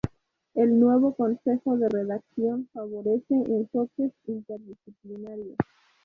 El nuevo consejo de redacción favorece enfoques interdisciplinarios.